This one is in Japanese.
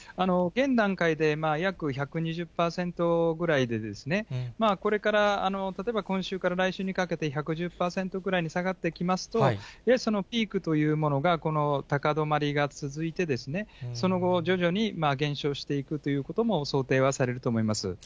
現段階で約１２０％ぐらいで、これから、例えば今週から来週にかけて１１０％ぐらいに下がってきますと、いわゆるピークというものがこの高止まりが続いて、その後、徐々に減少していくということも想定はされると思います。